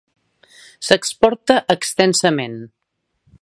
S'exporta extensament.